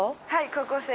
高校生！？